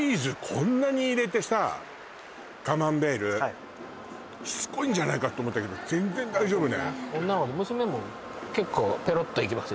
こんなに入れてさカマンベール・はいしつこいんじゃないかと思ったけど全然大丈夫ね女の子娘も結構ペロッといきます